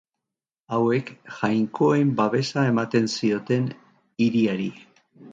Hauek jainkoen babesa ematen zioten hiriari.